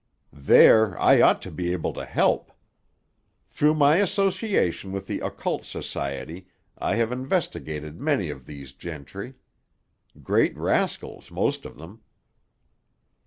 "There I ought to be able to help. Through my association with the occult society I have investigated many of these gentry. Great rascals, most of them."